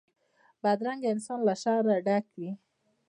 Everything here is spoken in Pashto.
بدرنګه انسان له شر نه ډک وي